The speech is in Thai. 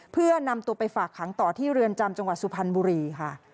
เพื่อนำตัวไปฝากขังต่อที่เรือนจำจังหวัดสุพรรณบุรีค่ะ